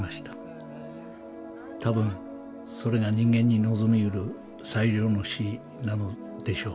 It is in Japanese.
多分それが人間に望みうる最良の死なのでしょう。